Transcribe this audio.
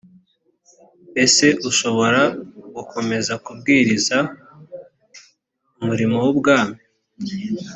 ese ushobora gukomeza kubwiriza umurimo w ubwami